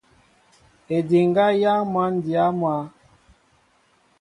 Ediŋga yááŋ măn dya maá.